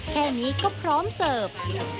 แค่นี้ก็พร้อมเสิร์ฟ